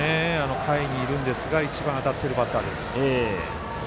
下位にいるんですが一番当たっているバッターです。